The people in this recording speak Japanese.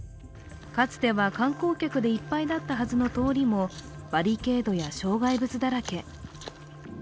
かつては観光客でいっぱいだったはずの通りもバリケードや障害物だらけ。